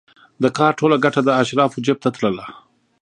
د کار ټوله ګټه د اشرافو جېب ته تلله.